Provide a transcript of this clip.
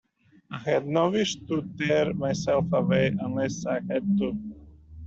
I had no wish to tear myself away unless I had to.